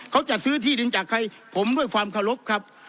เขาจัดซื้อที่ดินจากใครผมด้วยความเคารพครับ